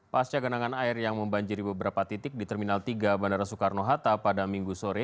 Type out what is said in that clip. pasca genangan air yang membanjiri beberapa titik di terminal tiga bandara soekarno hatta pada minggu sore